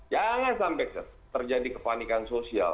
jangan sampaikk terjadi kopanikan topikal